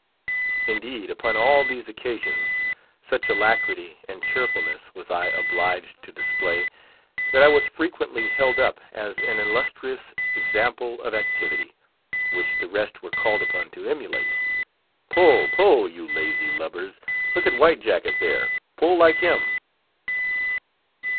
Indeed, upon all these occasions, such alacrity and cheerfulness was I obliged to display, that I was frequently held up as an illustrious example of activity, which the rest were called upon to emulate. "Pull—pull! you lazy lubbers! Look at White Jacket, there; pull like him!"